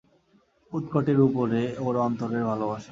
উৎকটের উপরে ওর অন্তরের ভালোবাসা।